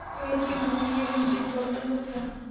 কিন্তু দূরে গিয়ে সে নিচের দিকে অবতরণ করতে থাকে।